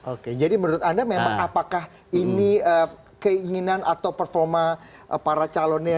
oke jadi menurut anda memang apakah ini keinginan atau performa para calonnya